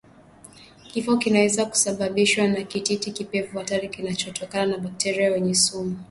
Kifo kinaweza kusababishwa na kititi kipevu hatari kinachotokana na bakteria wenye sumu